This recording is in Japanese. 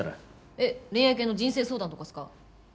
えっ恋愛系の人生相談とかっすか？